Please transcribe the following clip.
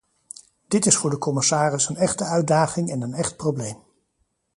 Dit is voor de commissaris een echte uitdaging en een echt probleem.